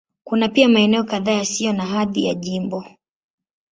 Kuna pia maeneo kadhaa yasiyo na hadhi ya jimbo.